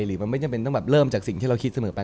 หรือมันไม่จำเป็นต้องแบบเริ่มจากสิ่งที่เราคิดเสมอไป